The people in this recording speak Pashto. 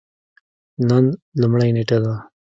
نن لومړۍ نیټه ده